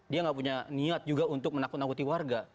dia tidak punya niat juga untuk menakuti warga